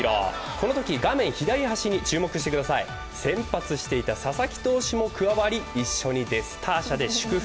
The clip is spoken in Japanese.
このとき画面左端に注目してください、先発していた佐々木投手も加わり一緒にデスターシャで祝福。